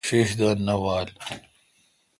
ݭݭ دا نہ وال۔